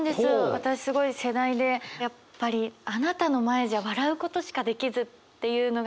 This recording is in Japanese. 私すごい世代でやっぱり「あなたの前じゃ笑う事しか出来ず」っていうのが何とも痛い気持ちで。